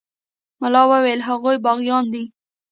ملا وويل هغوى باغيان دي.